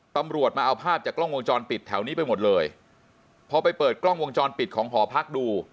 ตำรวจมาเอาภาพจากกล้องวงจรปิดแถวนี้ไปหมดเลยพอไปเปิดกล้องวงจรปิดของหอพักดู